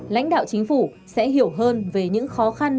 lãnh đạo chính phủ sẽ hiểu hơn về những khó khăn